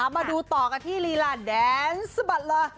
มาดูต่อกันที่ลีลาแดนสะบัดเลย